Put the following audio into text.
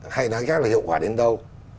hay nói chắc là hiệu quả đến đâu